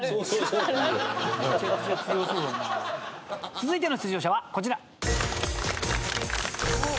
続いての出場者はこちら。